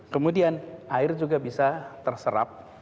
kemudian air juga bisa terserap